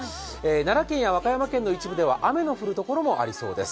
奈良県や和歌山県の一部では雨の降るところもありそうです。